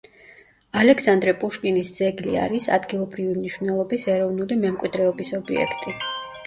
ალექსანდრე პუშკინის ძეგლი არის ადგილობრივი მნიშვნელობის ეროვნული მემკვიდრეობის ობიექტი.